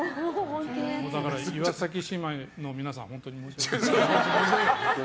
だから、岩崎姉妹の皆さん本当に申し訳ございませんでした。